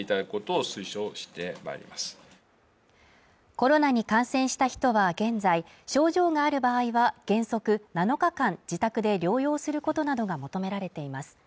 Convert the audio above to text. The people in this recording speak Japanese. コロナに感染した人は現在症状がある場合は、原則７日間自宅で療養することなどが求められています。